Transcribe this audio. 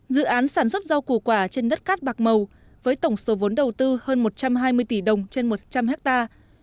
dự án sản xuất rau củ quả trên đất cát bạc màu với tổng số vốn đầu tư hơn một trăm hai mươi tỷ đồng trên một trăm linh hectare